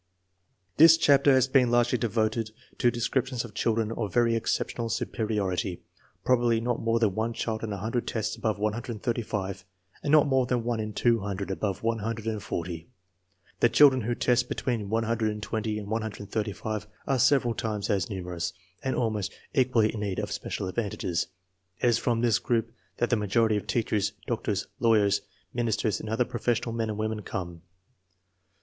This chapter has been largely devoted to descrip tions of children of very exceptional superiority. Probably not more than one child in a hundred tests above 135 and not more than one in two hundred above 140. The children who test between 120 and 135 are several times as numerous, and almost equally in need of special advantages. It is from this group that the majority of teachers, doctors, lawyers, min isters and other professional men and women come.